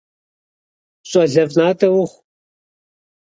Щӏалэфӏ натӏэ ухъу!